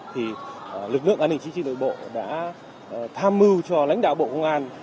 thì lực lượng an ninh chính trị nội bộ đã tham mưu cho lãnh đạo bộ công an